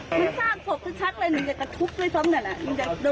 มันสร้างสวบชัดเลยหนูอยากจะทุบด้วยซ้ำหน่อยอ่ะ